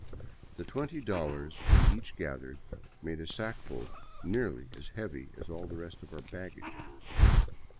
The twenty dollars we each gathered made a sackful nearly as heavy as all the rest of our baggage.